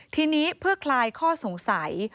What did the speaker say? ทีนี้เพื่อคลายข้อสงสัย